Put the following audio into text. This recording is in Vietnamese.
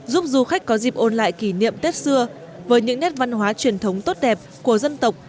giúp du khách có dịp ôn lại kỷ niệm tết xưa với những nét văn hóa truyền thống tốt đẹp của dân tộc